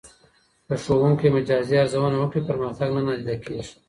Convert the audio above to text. که ښوونکی مجازي ارزونه وکړي، پرمختګ نه نادیده کېږي.